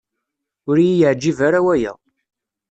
Ur yi-yeɛǧib ara waya.